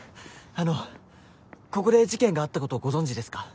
あのここで事件があったことご存じですか？